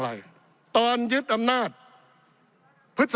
ปี๑เกณฑ์ทหารแสน๒